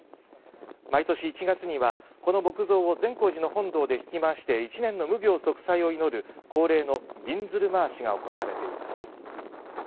毎年１月にはこの木像を善光寺の本堂で引きまわして一年の無病息災を祈る恒例のびんずる廻しが行われています。